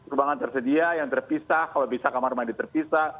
ruangan tersedia yang terpisah kalau bisa kamar mandi terpisah